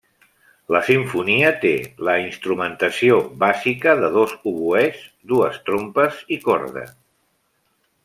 La simfonia té la instrumentació bàsica de dos oboès, dues trompes i corda.